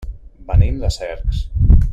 Venim de Cercs.